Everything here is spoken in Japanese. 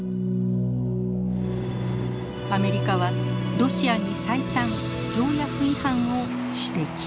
アメリカはロシアに再三条約違反を指摘。